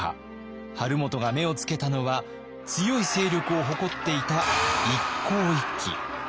晴元が目をつけたのは強い勢力を誇っていた一向一揆。